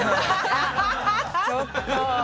ちょっと。